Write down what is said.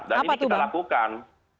dan ini kita lakukan